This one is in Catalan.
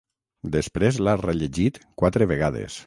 Després l'ha rellegit quatre vegades.